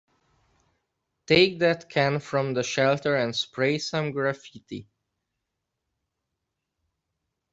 Take that can from the shelter and spray some graffiti.